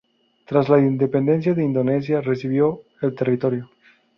Tras la independencia Indonesia recibió el territorio.